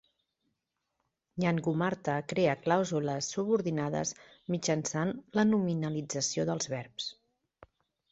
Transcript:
Nyangumarta crea clàusules subordinades mitjançant la nominalització dels verbs.